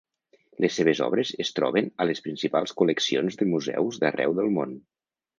Les seves obres es troben a les principals col·leccions de museus d'arreu del món.